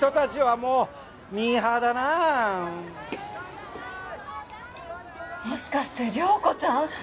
もしかして遼子ちゃん？